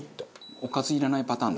おかずいらないパターンだ